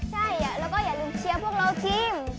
ใช่แล้วก็อย่าลืมเชียร์พวกเราทีม